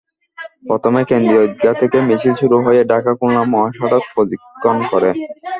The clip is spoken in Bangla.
প্রথমে কেন্দ্রীয় ঈদগাহ থেকে মিছিল শুরু হয়ে ঢাকা-খুলনা মহাসড়ক প্রদক্ষিণ করে।